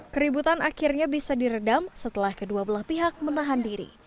keributan akhirnya bisa diredam setelah kedua belah pihak menahan diri